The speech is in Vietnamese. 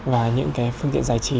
và những cái phương tiện giải trí